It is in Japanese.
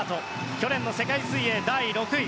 去年の世界水泳第６位。